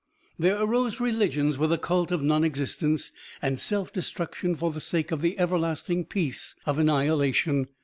There arose religions with a cult of non existence and self destruction for the sake of the everlasting peace of annihilation.